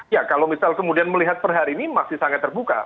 ya kalau misal kemudian melihat per hari ini masih sangat terbuka